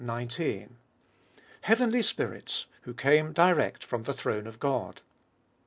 19), heavenly spirits, who came direct from the throne of God.